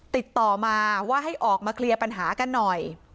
ติดต่อมาว่าให้ออกมาเคลียร์ปัญหากันหน่อย